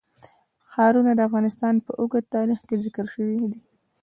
ښارونه د افغانستان په اوږده تاریخ کې ذکر شوی دی.